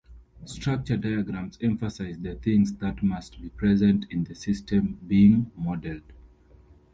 Structure diagrams emphasize the things that must be present in the system being modeled.